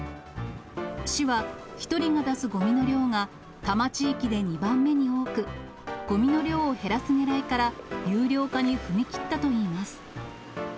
市は、１人が出すごみの量が、多摩地域で２番目に多く、ごみの量を減らすねらいから、有料化に踏み切ったといいます。